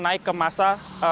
naik ke masa